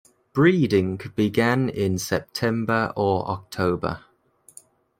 Breeding began in September or October.